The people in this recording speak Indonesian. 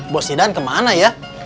bos sidan kemana ya